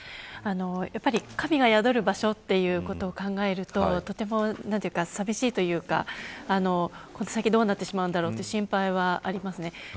神が宿る場所ということを考えるととても寂しいというかこの先どうなってしまうんだろうと、心配はあります。